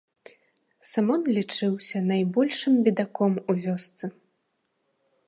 Сымон лічыўся найбольшым бедаком у вёсцы.